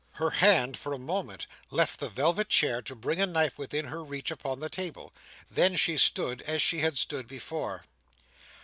Her hand, for a moment, left the velvet chair to bring a knife within her reach upon the table; then she stood as she had stood before.